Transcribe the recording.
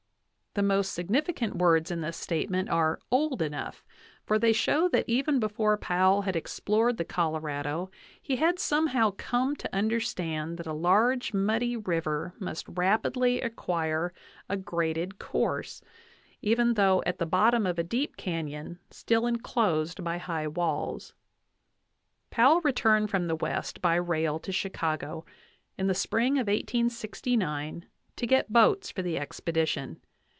The most significant words in this statement are "old enough," for they show that even before Powell had explored the Colorado he had some how come to understand that a large muddy river must rapidly acquire a graded course, even though at the bottom of a deep canyon still inclosed by high walls. Powell returned from the West by rail to Chicago in the spring of 1869 to get boats for the expedition.